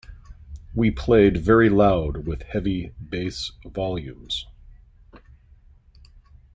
We played very loud with heavy bass volumes.